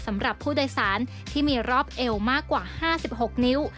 สำหรับผู้โดยสารที่มีรอบเอวมากกว่า๕๖นิ้ว